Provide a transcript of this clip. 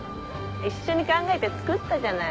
一緒に考えて作ったじゃない。